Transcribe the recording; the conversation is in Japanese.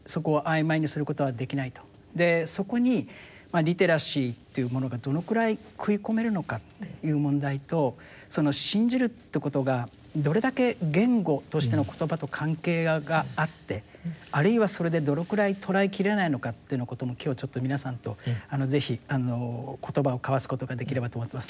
そこにリテラシーというものがどのくらい食い込めるのかという問題とその信じるっていうことがどれだけ言語としての言葉と関係があってあるいはそれでどのくらい捉えきれないのかというようなことも今日ちょっと皆さんと言葉を交わすことができればと思っています。